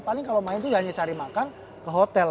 paling kalau main itu hanya cari makan ke hotel